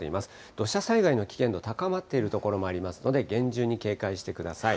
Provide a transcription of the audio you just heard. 土砂災害の危険度高まっている所もありますので、厳重に警戒してください。